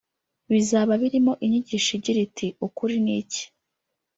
bizaba birimo inyigisho igira iti ”Ukuri ni iki